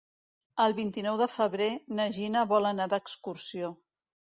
El vint-i-nou de febrer na Gina vol anar d'excursió.